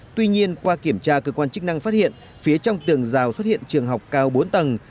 tuy nhiên qua kiểm tra cơ quan chức năng phát hiện phía trong tường rào xuất hiện trường học cao bốn tầng